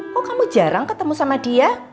kok kamu jarang ketemu sama dia